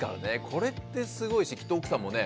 これってすごいしきっと奥さんもね